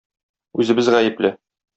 Үзебез гаепле.